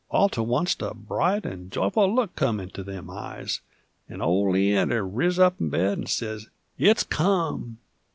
All to oncet a bright 'nd joyful look come into them eyes, 'nd ol' Leander riz up in bed 'nd sez, "It's come!"